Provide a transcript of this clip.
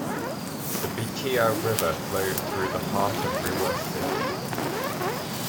The Bichiya River flows through the heart of Rewa city.